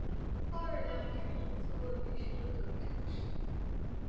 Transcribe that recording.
奥尔良是一座历史悠久的城市。